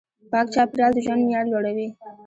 پاک چاپېریال د ژوند معیار لوړوي.